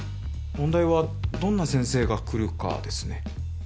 問題はどんな先生が来るかですね。